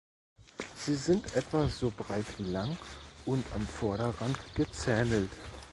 Sie sind etwa so breit wie lang und am Vorderrand gezähnelt.